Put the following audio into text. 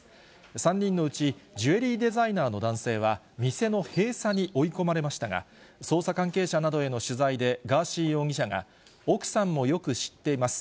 ３人のうちジュエリーデザイナーの男性は、店の閉鎖に追い込まれましたが、捜査関係者などへの取材でガーシー容疑者が、奥さんもよく知ってます。